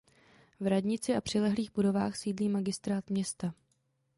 V radnici a přilehlých budovách sídlí magistrát města.